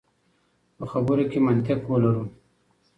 په خبرو کې منطق ولرو.